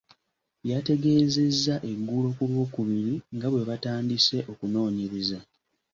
Yategeezezza eggulo ku Lwokubiri nga bwe baatandise okunoonyereza.